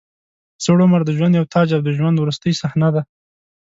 زوړ عمر د ژوند یو تاج او د ژوند وروستۍ صحنه ده.